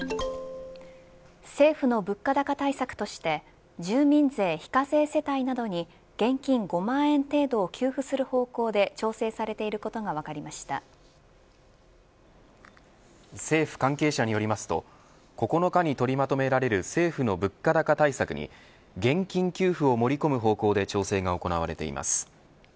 政府の物価高対策として住民税非課税世帯などに現金５万円程度を給付する方向で調整されていることが政府関係者によりますと９日に取りまとめられる政府の物価高対策に現金給付を盛り込む方向で調整が行われています。